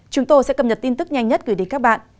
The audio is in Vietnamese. chúng tôi sẽ cập nhật tin tức nhanh nhất gửi đến các bạn